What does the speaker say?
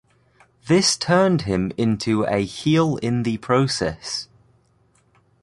This turned him into a heel in the process.